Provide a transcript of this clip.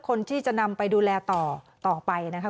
คนที่จะนำไปดูแลต่อต่อไปนะคะ